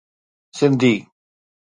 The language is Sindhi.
سنڌي